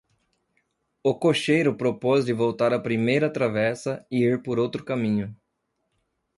O cocheiro propôs-lhe voltar à primeira travessa, e ir por outro caminho: